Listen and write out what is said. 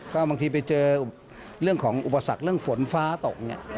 ก็บางทีไปเจอเรื่องของอุปสรรคเรื่องฝนฟ้าตกเนี่ย